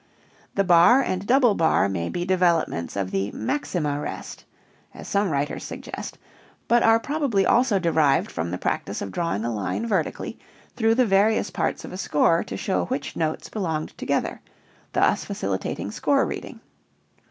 The bar and double bar may be developments of the maxima rest (as some writers suggest) but are probably also derived from the practice of drawing a line vertically through the various parts of a score to show which notes belonged together, thus facilitating score reading.